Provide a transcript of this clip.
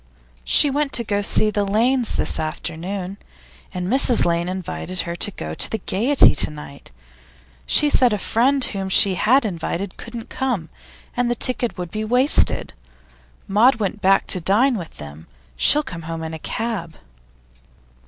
'She went to see the Lanes this afternoon, and Mrs Lane invited her to go to the Gaiety to night; she said a friend whom she had invited couldn't come, and the ticket would be wasted. Maud went back to dine with them. She'll come home in a cab.